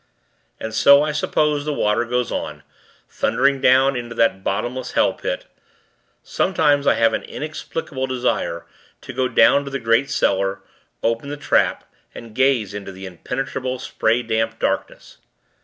And so, I suppose the water goes on, thundering down into that bottomless hell pit. Sometimes, I have an inexplicable desire to go down to the great cellar, open the trap, and gaze into the impenetrable, spray damp darkness.